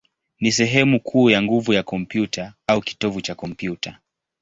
ni sehemu kuu ya nguvu ya kompyuta, au kitovu cha kompyuta.